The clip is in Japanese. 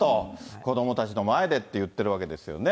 子どもたちの前でって言ってるわけですよね。